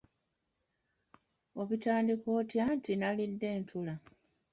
Obitandika otya nti nnalidde ntula?`